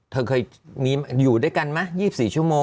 เธอเคยอยู่ด้วยกันไหมสี่สามชั่วโมง